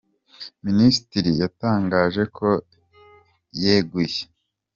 Minisitiri yatangaje ko yeguye